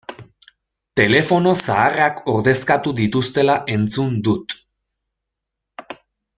Telefono zaharrak ordezkatu dituztela entzun dut.